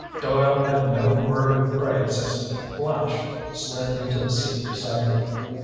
Doyle had no word of praise as Flash slid into the seat beside him.